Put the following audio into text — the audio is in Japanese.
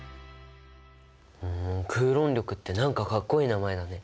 クーロン力って何かかっこいい名前だね。